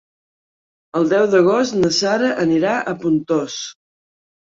El deu d'agost na Sara anirà a Pontós.